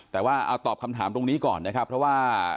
แต่ว่าเอาตอบคำถามตรงนี้ก่อนนะครับเพราะว่า